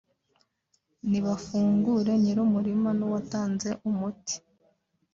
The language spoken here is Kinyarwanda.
Ni bafungure nyirumurima nuwatanze umuti